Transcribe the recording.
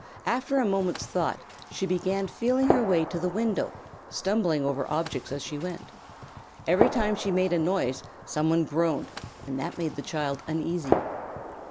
After a moment's thought she began feeling her way to the window, stumbling over objects as she went. Every time she made a noise some one groaned, and that made the child uneasy.